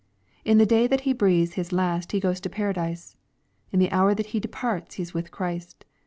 In the day that he breathes his la<t he goes to Paradise. In the hour that he departs he is with Christ.